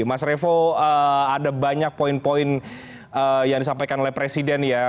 mas revo ada banyak poin poin yang disampaikan oleh presiden ya